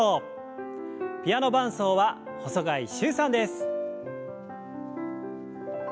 ピアノ伴奏は細貝柊さんです。